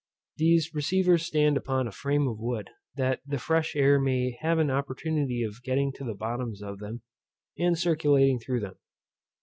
These receivers stand upon a frame of wood, that the fresh air may have an opportunity of getting to the bottoms of them, and circulating through them.